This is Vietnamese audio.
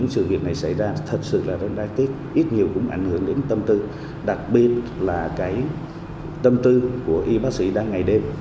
sự việc này xảy ra thật sự là tết ít nhiều cũng ảnh hưởng đến tâm tư đặc biệt là tâm tư của y bác sĩ đang ngày đêm